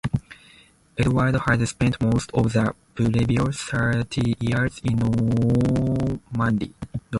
Edward had spent most of the previous thirty years in Normandy.